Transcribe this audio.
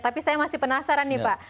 tapi saya masih penasaran nih pak